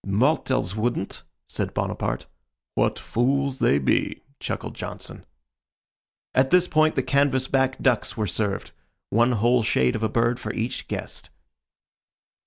"Mortals wouldn't," said Bonaparte. "What fools they be!" chuckled Johnson. At this point the canvas back ducks were served, one whole shade of a bird for each guest.